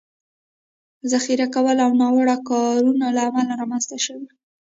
ذخیره کولو او ناوړه کارونې له امله رامنځ ته شوي